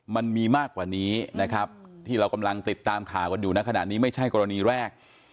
มันมีมากกว่านี้นะครับที่เรากำลังติดตามข่าวกันอยู่ในขณะนี้ไม่ใช่กรณีแรก